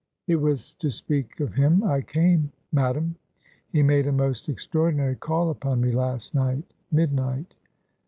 "It was to speak of him I came, Madam. He made a most extraordinary call upon me last night midnight."